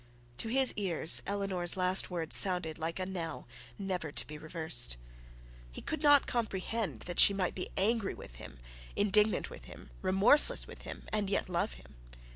To his ears Eleanor's last words sounded like a knell never to be reversed. He could not comprehend that she might be angry with him, indignant with him, remorseless with him, and yet love him.